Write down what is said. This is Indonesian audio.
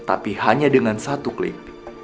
tapi hanya dengan satu klik